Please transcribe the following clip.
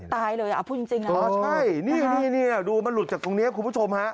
ตายเลยอ่ะพูดจริงนะอ๋อใช่นี่นี่ดูมันหลุดจากตรงนี้คุณผู้ชมฮะ